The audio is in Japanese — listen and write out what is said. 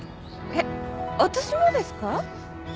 えっ私もですか？